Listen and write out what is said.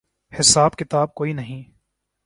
حساب کتاب کوئی نہیں۔